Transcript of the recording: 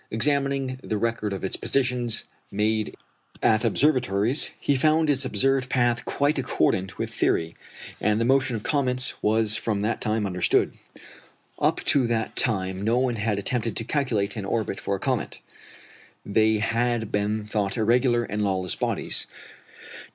Examining the record of its positions made at observatories, he found its observed path quite accordant with theory; and the motion of comets was from that time understood. Up to that time no one had attempted to calculate an orbit for a comet. They had been thought irregular and lawless bodies.